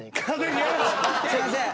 すいません